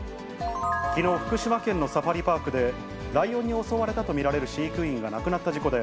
きのう、福島県のサファリパークで、ライオンに襲われと見られる飼育員が亡くなった事故で、